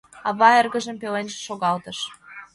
Ава эргыжым пеленже шогалтыш.